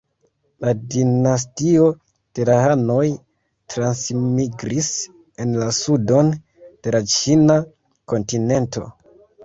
La dinastio de la hanoj transmigris en la sudon de la ĉina kontinento.